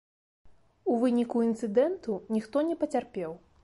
У выніку інцыдэнту ніхто не пацярпеў.